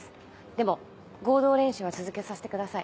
でも合同練習は続けさせてください。